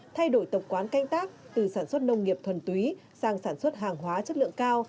thay đổi tập quán canh tác từ sản xuất nông nghiệp thuần túy sang sản xuất hàng hóa chất lượng cao